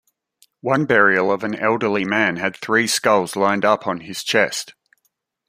One burial of an elderly man had three skulls lined up on his chest.